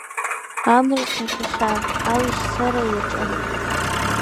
Амра ҭашәахьан, алашьцара иаҿын.